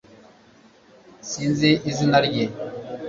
sinzi izina rye